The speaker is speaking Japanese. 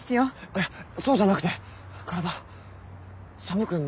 いやそうじゃなくて体寒くないですか？